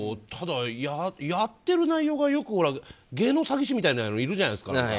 ただ、やっている内容が芸能詐欺師みたいなのいるじゃないですか。